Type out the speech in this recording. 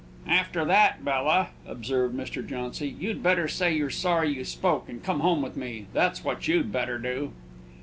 "After that, Bella," observed Mr. Jauncy, "you'd better say you're sorry you spoke, and come home with me that's what you'd better do."